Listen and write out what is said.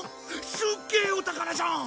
すっげえお宝じゃん！